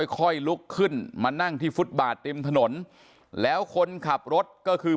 ค่อยลุกขึ้นมานั่งที่ฟุตบาทริมถนนแล้วคนขับรถก็คือ